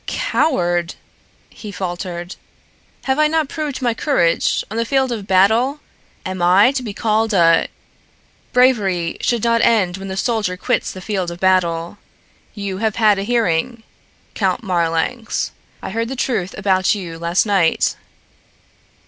"Coward?" he faltered. "Have I not proved my courage on the field of battle? Am I to be called a " "Bravery should not end when the soldier quits the field of battle. You have had a hearing. Count Marlanx. I heard the truth about you last night."